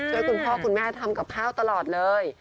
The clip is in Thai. คุณพ่อคุณแม่ทำกับข้าวตลอดเลย